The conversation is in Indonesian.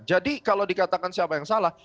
jadi kalau dikatakan siapa yang salah